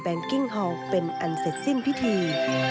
กิ้งฮอลเป็นอันเสร็จสิ้นพิธี